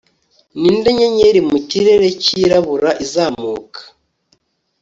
Ninde nyenyeri mu kirere cyirabura izamuka